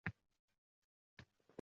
Bu Vatan ishki, Turkiston ishki edi.